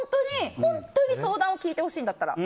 本当に相談を聞いてほしいんだったら。